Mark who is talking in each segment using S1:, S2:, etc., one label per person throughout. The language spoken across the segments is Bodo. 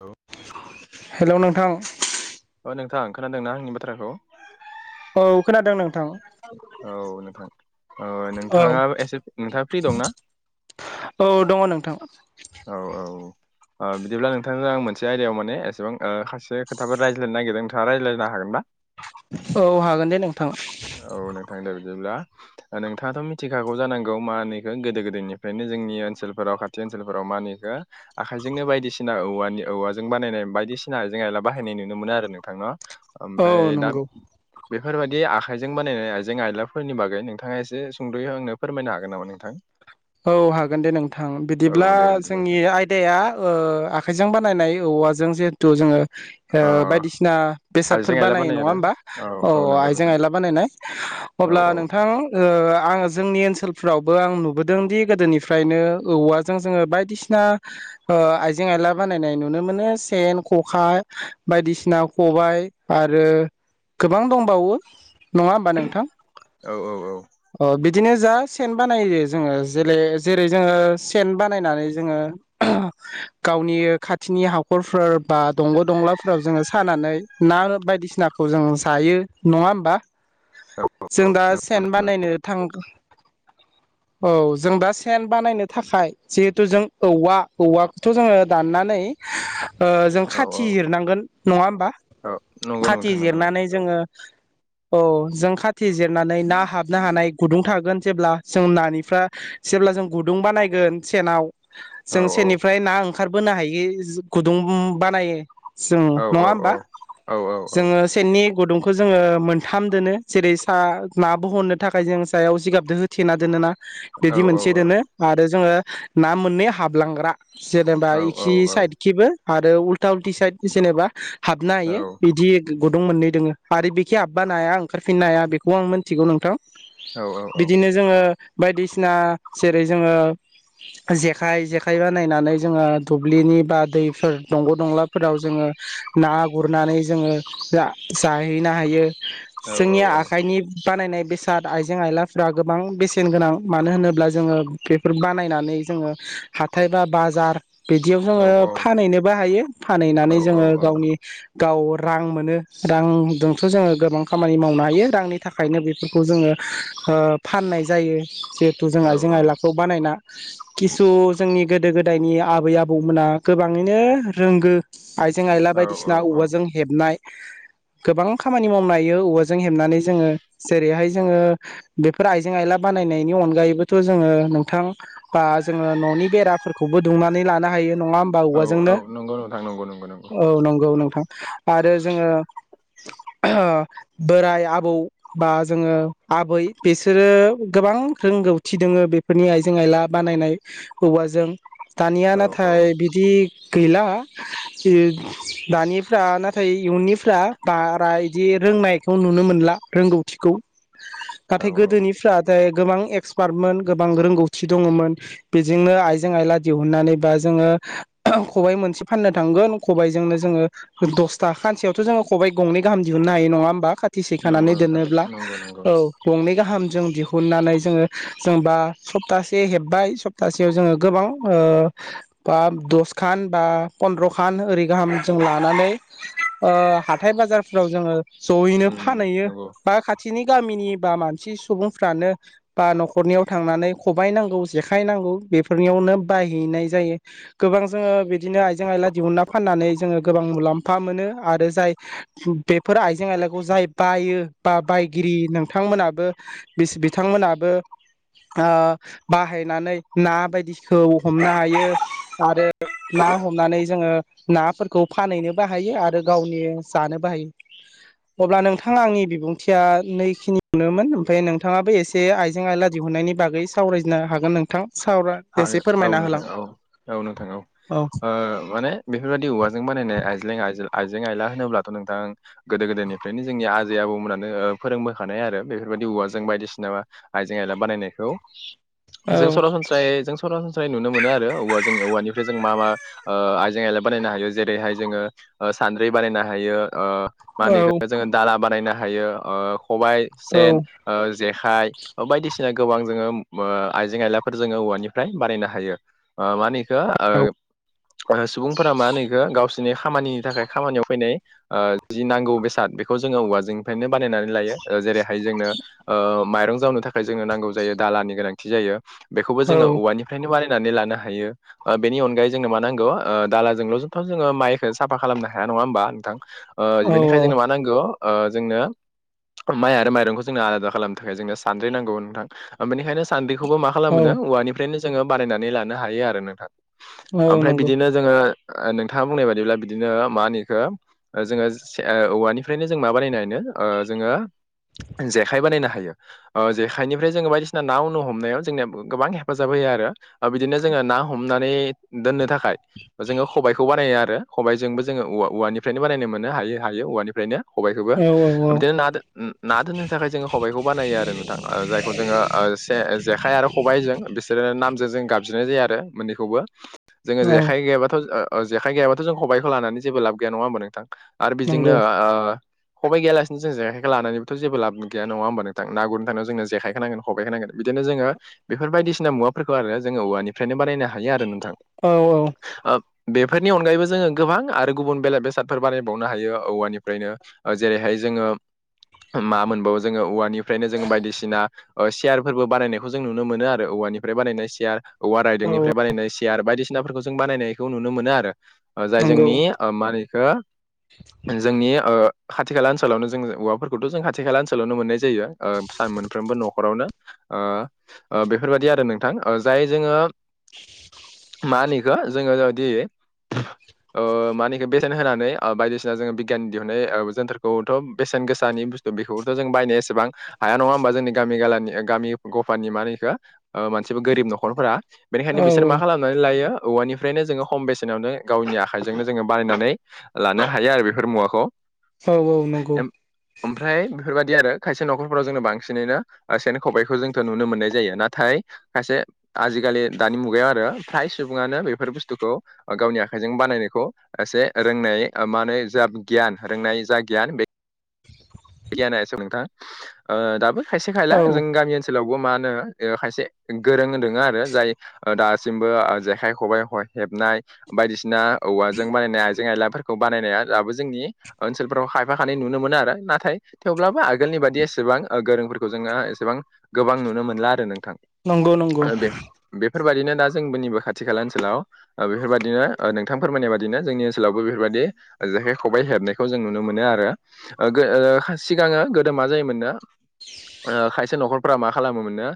S1: औ
S2: हेल नोंथां?
S1: खोनादोंना आंनि बाथ्राखौ?
S2: औ खोनादों नोंथां?
S1: औ नोंथां ओ-नोंथाङा एसे नोंथाङा फ्रि दंना?
S2: औ दङ नोंथां?
S1: औ- औ। ओ बिदिब्ला नोंथांजों आं मोनसे आयदायाव मान एसेबां खासे खोथा रायज्लायनो नागिरदों नोंथाङा रायज्लायनो हागोनना?
S2: औ हागोन दे नोंथां।
S1: औ नोंथां दे बिदिब्ला नोंथाङाथ मिथिखागौ जानांगौ मा होनैखौ गोदो- गोदायनिफ्रायनो जोंनि ओनसोलफोराव खाथि खालाव माहोनो बेखौ आखाइजोंनो बायदिसिना औवानि- औवाजों बानायनाय बायदिसिना आइजें-आयला बाहायनाय नुनो मोनो आरो नोंथांनाव नं ओमफ्राय दा
S2: नंगौ
S1: बेफोरबायदि आखाइजों बानायनाय आइजें -आयलाफोरनि बागै नोंथाङा एसे सुंदय आंनो फोरमायनो हागोन नामा नोंथां?
S2: औ हागोन दे नोंथां।
S1: औ
S2: बिदिब्ला
S1: दे बिदिबा
S2: जोंनि
S1: नोंथां
S2: आयदाया आखाइजों बानायनाय औवाजों जिहेथु जोङो ओ
S1: अ
S2: बायदिसिना बेसादफोर
S1: आइजें आइला
S2: बानायो नङा होमबा
S1: आरो
S2: औ
S1: नंगौ
S2: आइजें-
S1: नोंथां
S2: आइला बानायनाय।
S1: औ
S2: अब्ला
S1: औ
S2: नोंथां ओ-आङो जोंनि ओनसोलफ्रावबो आं नुबो दोंदि गोदोनिफ्रायनो औवाजों जोङो बायदिसिना ओ-आइजें आइला बानायनाय नुनो मोनो माने सेन खखा बायदिसिना खबाइ आरो गोबां दंबावो नङा होमबा नोंथां?
S1: औ औ
S2: अ बिदिनो जा सेन बानायो जोंङो जेलै जोङो सेन बानायनानै जोंड़ो गावनि खाथि -नि हाखरफोर बा दंग दंलाफोराव जोङो सानानै ना बायदिसिनाखौ जों जायो। नङा होमबा?
S1: औ
S2: जों दा
S1: औ
S2: सेन बानायनो थां औ जों दा सेन बानायनो थाखाय जिहेथु जों औवा- औवाखौथ जोङो दाननानै नै ओ जों
S1: औ औ
S2: खाथि जिरनांगोन नङा होमबा
S1: औ नंगौ
S2: खाथि
S1: नोंथां नंगौ
S2: जिरनानै जोङो अ जों खाथि जिरनानै ना हाबनो हानाय गुदुं थागोन जेब्ला जों नानि फ्रा जेब्ला जों गुदुं बानायगोन सेनाव
S1: औ
S2: जों सेननिफ्राय ना ओं खारबोनो हायो गुदुं बानायो जों
S1: औ
S2: नङा
S1: औ
S2: होमबा
S1: औ
S2: जोङो सेननि गुदुंखौ जोङो मोनथाम दोनो जेरै सा ना बहननो थाखाय जों सायाव जिगाबदों होथेना दोनोना।
S1: औ
S2: बिदि मोनसे दोनो
S1: औ
S2: आरो जोङो ना मोननै हाबलांग्रा जेनेबा
S1: औ औ
S2: इखि साइदखिबो आरो उल्था -उल्टि साइद जेनेबा हाबनो हायो बिदि गुदुं मोननै दोङो आरो बेखि हब्बा नाया ओंखारफिननाय हाया बेखौ आं मोनथिगौ नोंथां।
S1: औ
S2: बिदिनो जोङो बायदिसिना जेरै जोङो जेखाइ जेखाइ बानायनानै जोङो दुब्लिनि बा दैफोर दंग' दंलाफोराव जोङो ना गुरनानै जोङो जाहैनो हायो। जोंनि आखाइनि बानायनाय बेसाद आइजें आइलाफोरा गोबां बेसेन न गोनां मानो होनोब्ला जोङो बेफोर बानायनानै जोङो हाथाय बा बाजार बिदियाव जोङो फानहैनोबो हायो फानहैनानै जोङो गावनि गाव रां मोनो। रांजोंथ' जोङो गोबां खामानि मावनो हायो रांनि थाखायनो बेफोरखौ जोङो ओ फाननाय जायो जिहेथु जों आइजें आइलाखौ बानायना किसु जोंनि गोदो गोदायनि आबै आबौमोना गोबाङैनो रोंगो आइजें आइला बायदिसिना
S1: औ
S2: औवाजों हेबनाय गोबां खामानि मावनो हायो औवाजों जों हेबनानै जोंओ जेरैहाय जोंओ बेफोर आइ जें आइला बानायनायनि अनगायैबोथ' जोङो नोंथां बा जोङो न'नि बेराफोरखौबो दुमनानै लानो हायो। नङा होनबा
S1: औ
S2: औवाजोंनो
S1: नंगौ नोंथां नंगौ नंगौ नंगौ
S2: औ नंगौ नोंथां आरो जोङो बोराय आबौ बा जोङो आबै बिस सोरो गोबां रोंगौथि दोङो बेफोरनि आइजें आइला बानायनाय औवाजों। दानिया
S1: औ औ
S2: नाथाय बिदि गैला। दानिफ्रा नाथाय इयुननिफ्रा बारा बिदि रोंनायखौ नुनो मोनला। रोंगौथिखौ।
S1: [inaudible]
S2: नाथाय
S1: औ
S2: गोदोनिफ्राथाय गोबां एक्सपार्टमोन गोबां रोंगौथि दङमोन बेजोंनो आइजें आइला। दिहुननानै बा जोङो खबाइ मोनसे फाननो थांगोन खबा इजोंनो जोङो दसथा सानसेयावथ' जोङो खबाइ गंनै गाहाम दिहुननो हायो नङा होमबा खाथि
S1: नंगौ
S2: सिखानानै
S1: नोंथां
S2: दोनोब्ला
S1: नंगौ नंगौ
S2: औ। गंनै गाहाम जों दिहुननानै जोङो जेनेबा सप्तासे हेब्बाय सप्तासेयाव जोङो गोबां ओ बा दसखान बा पन्द्र'खान ओरै गाहाम जों लानानै ओ हाथाय बाजारफोराव जोङो जयैनो
S1: उम
S2: फानहैयो
S1: नंगौ
S2: बा खाथिनि गामिनि बा मानसि सुबुंफ्रानो बा न'खरनियाव थांनानै खबाइ नांगौ जेखाय नांगौ बेफोरनियावनो नो बायहैनाय जायो गोबां जोङो बिदिनो आइजें आइला दिहुन्ना फाननानै जोङो गोबां मुलाम्फा मोनो आरो जाय बेफोर आइजें आइलाखौ जाय बायो बा बायगिरि नों बिथांमोनाबो बि बिथांमोनाबो ओ बाहायनानै ना बायदिखौ हमनो हायो आरो। ना हमनानै जोङो नाफोरखौ फानहैनोबो हायो आरो गावनि जानोबो हायो। अब्ला नोंथाङा आंनि बिबुंथिया नैखिनि मोनोमोन ओमफ्राय नोंथाङाबो एसे आइजें आयला दिहुननायनि बागै सावरायजनो हागोन नोंथां। सावरा
S1: हागोन
S2: एसे
S1: औ
S2: फोरमायना होलां
S1: नोंथां औ औ नोंथां औ ओ माने बेफोरबायाददि औवाजों बानायनाय आइज्लें आइज आइजें आइला होनोब्लाथ' नोंथां गोदो गोदायनिफ्रायनो जोंनि आजै आबौमोनानो फोरोंबोखानाय आरो बेफोर बदि औवाजों बायदिसिना आइजें आयला बानायनायखौ। जों
S2: औ
S1: सरासनस्रायै जों सरासनस्रायै नुनो मोनो आरो औवाजों औवानिफ्राय जों मा मा आइजें आयला बानायनो हायो जेरैहाय जोङो ओ सानद्रि बानायनो हायो। ओ मानिखौ जोङो दाला बानायनो हायो खबाइ
S2: औ
S1: सेन जेखाय बायदिसिना गोबां जोङो आइजें आइला। जोङो औवानिफ्राय बानायनो हायो। ओ मानि ओ सुबुंफोरा मा होनो इखो गावसि नि खामानिनि थाखाय खामानियाव फैनाय ओ जि नांगौ बेसाद बेखौ जोङो औवाजोंनिफ्रायनो बानायनानै लायो। जेरैहाय जोंनो ओ माइरं जावनो थाखाय जोंनो नांगौ जायो दालानि गोनांथि जायो। बेखौबो
S2: औ
S1: जोङो औवानिफ्रायनो बानाय नानै लानो हायो ओ बेनि अगायै जोङो मा नांगौ ओ दालाजोंल' जोंथ' जोङो माइखौ साफा खालामनो हाया। नङा होनबा नोंथां?
S2: औ
S1: बेनिखायनो जोंनो मा नांगौ ओ जोंनो माइ आरो माइरंखौ जोंनो आलादा खालामनो थाखाय जोंनो सानद्रि नांगौ नोंथां बेनिखायनो सान्द्रिखौबो मा
S2: औ
S1: खालामो औवानिफ्रायनो जोङो बानायनानै लानो हायो आरो नोंथां
S2: औ
S1: ओमफ्राय
S2: नंगौ
S1: बिदिनो जोङो नोंथाङा बुंनाय बादिब्ला बिदिनो मा होनो इखो जोङो औवानिफ्रायनो जों मा बानायनो हायो ओ जोङो जेखाइ बानायनो हायो ओ जेखाइनिफ्राय जोङो बायदिसिना नानो हमनायाव जोंनिया गोबां हेफाजाब होयो आरो बिदिनो जोङो ना हमनानै दोननो थाखाय जोङो खबायखौ बानायो आरो रो खबायजोंबो जोङो औवा औवानिफ्रायनो बानायनो मोननो हायो हायो औवानिफ्रायनो खबायखौबो
S2: औ औ औ
S1: बिदिनो ना ना दोननो थाखाय जोङो खबायखौ बानायो आरो नोंथां जायखौ जोङो ओ से जेखाय आरो खबायजों बिसोरो नामजों जों गाबज्रिनाय जाया आरो मोननैखौबो जोङो
S2: औ
S1: जेखाइ गैयाबाथ' ओ जेखाइ गैयाबाथ' जों खबाइखौ लानानै जेबो लाब गैया नङा होमबा नोंथां आरो बेजोंनो
S2: नंगौ
S1: आ खबाय गैयालासिनो जों जेखाइखौ लानानैनिथ' जबो लाबो गया नङा होनबा नोंथां ना गुरनो थांनायाव जों जेखाइखो नांगोन सबायखो नांगोन बिदि नो जोङो बेफोर बायदिसिना मुवाफोरखौ आरो जोङो औवानिफ्रायनो बानायनो हायो आरो नोंथां
S2: औ औ
S1: ओ बेफोरनि अनगायैबो जोङो गोबां आरो गुबुन बेले बेसादफोर बानायबावनो हायो औवानिफ्रायनो जेरैहाय जों जोङो मा मोनबावो जोङो औवानिफ्रायनो जोङो बायदिसिना सियारफोरबो बानायनायखौ जों नु मोनो मोनो औवानिफ्राय बानायनाय सियार औवा रायदों
S2: औ
S1: निफ्राय बानायनाय सियार नाफोरखौ जों बानायनायखौ नुनो मोनो आरो जाय
S2: नंगौ
S1: जोंनि मा होनो इखौ जोंनि ओ खाथि खाला ओनसोलावनो जों औवाफोरखौथ' जों खाथि खाला ओनसोलावनो मोननाय जायो सान मोनफ्रोमबो न'खरावनो ओ ओ बेफोरबायदि आरो नोंथां जाय जोङो मा होनो इखौ जोङो जदि ओ मानेखि बेसेन होनानै बायदिसिना जोङो बिगियान दिहुुननाय जोनथोरखौथ' बेसेन गोसानि बेखौथ' जों बायनाया एसेबां हाया नङा होमबा जोंनि गामि गनि गामि गफानि मा होनो इखौ मानसिबो गोरिब न'खरफोरा बेनिखायनो
S2: औ
S1: बिसोर मा खालामनानै लायो औवानिफ्रायनो जोङो खम बेसेनावनो गावनि आखाइजोंनो जोङो बानायनानै लानो हायो आरो बेफोर मुवाखौ
S2: औ औ नंगौ
S1: ओमफ्राय बेफोरबायदि आरो खायसे न'खरफोराव जोंङो बांसिनैनो सेन खबाइखौ जोंथ' नुनो मोननाय जायो। नाथाय खायसे आजिखालि दानि मुगायाव आरो फ्राय सुबुङानो बेफोर बुस्थुखौ गावनि आखाइजों बानायनायखौ एसे रोंनाय मा होने जा गियान रोंनाय जा गियान बे गियाना एसे नोंथाङा दाबो खायसे खायला
S2: औ
S1: जों गामि ओनसोलाव मा होनो ओ खायसे गोरों नोङा आरो जाय दासिमबो जेखाय खबाइ ह नाय बायदिसिना औवाजों बानायनाय आइें आइला फोरखौ बानायनाया दाबो जोंनि ओनसोलफोराव खायफा खानाय नुनो मोनो आरो नाथाय थेवब्लाबो आगोलनि बाददि एसेबां गोरोंफोरखौ जोङो एसेबां गोबां नुनो मोनला आरो नों
S2: नंगौ नंगौ
S1: बेफोरबायाददिनो दा जोंबोनिबो खाथि खाला ओनसोलाव बेफोरबायदिनो नोंथां फोरमायनाय बादिनो जोंनि ओनोलावबो बेफोरबायदिनो जेखाय खबाय हेबनायखौ जों नुनो मोनो आरो ओ सिगाङो गोदो मा जायोमोन नो खायसे न'खरफोरा मा खालामो मोननो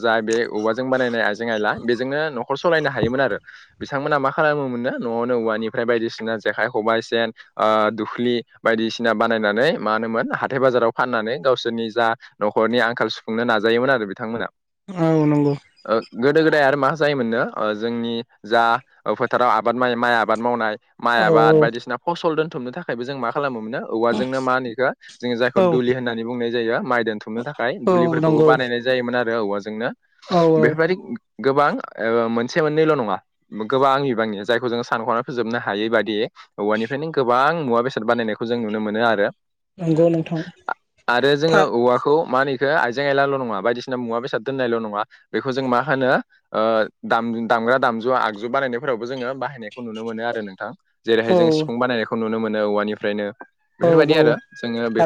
S1: जा बे औवाजों बानायनाय आइजें आयला बेजोंनो न'खर सालायनो हायोमोन आरो बिथांमोना मा खालामोमोननो न'आवनो औवानिफ्राय बायदिसिना जेखाइ खबाय सेेन ओ दुख्लि बायदिसिना बानायनानै मा होनोमोन हा थाय बाजाराव फाननानै गावसोरनि जा न'खरनि आंखाल सुफुंनो नाजायोमोन आरो बिथांमोना
S2: औ नंगौ।
S1: ओ गोदो गोदाय आरो मा जायोमोननो जोंनि जा फोथाराव आबाद माइ माइ आबाद मावनाय माइ
S2: औ
S1: आबाद बायदिसिना फसल दोनथुमनो थाखायबो जों मा खालामोमोननो औवाजोंनो मा होनो बेखौ जायखौ
S2: औ
S1: दुलि होननानै बुंनाय जायो माइ दोनथुमनो थाखाय
S2: औ
S1: दुलिफोरखौबो
S2: नंगौ
S1: बानायनाय जायोमोन आरो औवाजोंनो
S2: औ औ
S1: बे‌फोरबादि गोबां ओ मोनसे मोननैल' नङा गोबां आं बिबांनि जायखौ जोङो सानख'नानै फोजोबनो हायै बायदियै [unintelligible]
S2: नंगौ नोंथां
S1: आरो जोङो
S2: था
S1: औवाखौ मा [unintelligible] हो आइजें आइलाल' नङा बायदिसिना मुवा बेसाद दोननायल' नङा बेखौ जों मा होनो ओ दाम दाम दामग्रा दामजु आगजु बानायनायफोरावबो जोङो बाहायनायखौ नुनो मोनो आरो नोंथां जेरैहाय
S2: औ
S1: जोङो सिफुं बानायनायखौ नुनो मोनो औवानिफ्रायनो बेफोरबायदि आरो जोङो बे
S2: ओ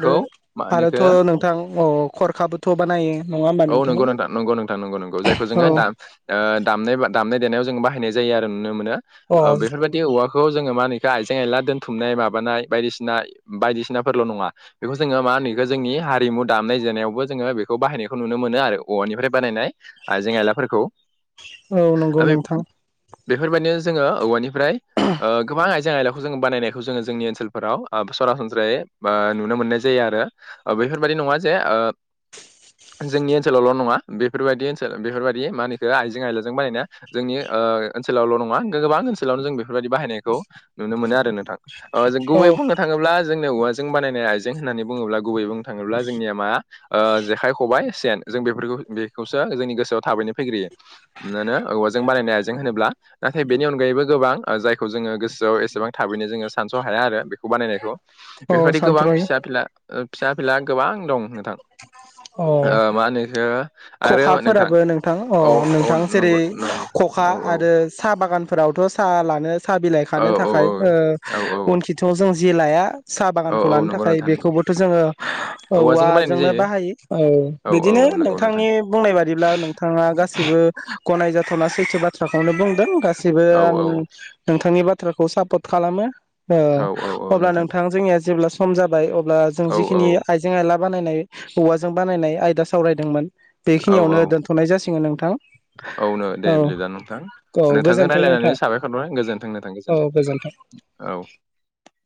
S2: आरोथ' नोंथां अ खरखाबोथ' बानायो नङा होमबा
S1: औ
S2: नोंथां
S1: नंगौ नंगौ नोंथां नंगौ नंगौ जायखौ
S2: औ
S1: जोङो दाम ओ दामनाय दामनाय देनायाव जों बाहायनाय जायो आरो नुनो मोनो
S2: अ
S1: ओ बेफोरबायाददि औवा खौ जोङो मा होनोखो आइजें आइला दोनथुमनाय माबानाय बायदिसिना बायदिसिनाफोरल' नङा बेखौ जोङो मा होनो बेखौ जोंनि हारिमु दामनाय देनायावबो जोङो बेखौ बाहायनायखौ नुनो मोनो आरो औवानिफ्राय बानायनाय आइजें आयलाफोरखौ
S2: औ नंगौ नोंथां
S1: बेफोरबायदिनो जोङो औवानिफ्राय ओ गोबां आइजें आइला खौ जोङो बानायखौ जोङो जोंनि ओनसोलफोराव ओ सरासनस्रायै बा नु नुनो मोननाय जायो आरो बेफोरबायाददि नङा जे ओ जोंनि ओनसोलावल' नङा बेफोरबायदि ओनसोल बेफोरबायदि मा होनो बेखो आइजें आयलाजों बानायनाया जोंनि ओ ओनसोलावल' नङा गोबां ओनसोलावनो जों बेफोरबायदि बाहायनायखौ नुनो मोनो आरो नोंथां अ जों
S2: औ
S1: गुबै बुंनो थाङोब्ला जोंनि औवाजों बानायनाय आयजें होननानै बुङोब्ला गुबै बुंनो थाङोब्ला जोंनिया मा ओ जेखाय खबाय सेन जों बेफोरखौ बेखौसो जोंनि गोसोआव थाबैनो फैग्रोयो हमना ला औवाजों बानायनाय आयजें होनोब्ला नाथाय बेनि अनगायैबो गोबां जायखौ जोङो गोसोआव एसेबां थाबैनो जोङो सानस' हाया आरो बेखौ बानायनायखौ
S2: औ
S1: बेफोरबायदि गोबां
S2: सानथ्र'यो
S1: फिसा फिला फिसा फिला गोबां दं नोंथां
S2: अ
S1: ओ मा होनो इखौ आरो नोंथां
S2: खखाफोराबो अ
S1: औ औ
S2: नोंथां जेरै
S1: नंगौ नंगौ
S2: खखा
S1: औ औ
S2: आरो साहा बागानफोरावथ' साहा लानो सा बिलाइ
S1: औ
S2: खानो
S1: औ
S2: थाखाय ओ
S1: औ
S2: उन खिथ' जों जि लाया साहा
S1: औ
S2: बागानखौ
S1: औ
S2: लानो
S1: नंगौ
S2: थाखाय
S1: नोंथां नंगौ
S2: बेखौबोथ' जोङो
S1: बानायनाय
S2: औवाजोंनो
S1: जायो
S2: बाहाय औ
S1: औ
S2: बिदिनो
S1: औ नंगौ नोंथां
S2: नोंथांनि बुंनाय बादिब्ला नोंथाङा गासिबो गनायजाथावना सैथो बाथ्राखौनो बुंदों गासैबो
S1: औ
S2: आं
S1: औ
S2: नोंथांनि बाथ थ्राखौ साफथ खालामो ओ
S1: औ औ औ
S2: अब्ला नोंथां जोंनि जेब्ला सम जाबाय अब अब्ला जों
S1: औ औ
S2: जिखिनि आइजें आइला बानायनाय औवाजों बानायनाय आयदा सावरायदोंमोन
S1: औ
S2: बेखिनियावनो
S1: औ
S2: दोनथ'नाय जासिगोन नों
S1: औ नो दे बिलिबा नोंथां
S2: औ
S1: नोंथांजों
S2: गोजोन्थों
S1: रायलायनानै
S2: नोंथां
S1: साबायखर बावबाय गोजोन्थों नोंथां गोजोन्थों औ